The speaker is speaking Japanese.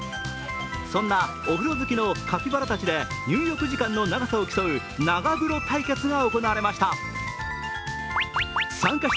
そんなお風呂好きのカピバラたちで入浴時間の長さを競う長風呂対決が行われました。